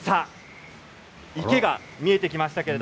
池が見えてきました。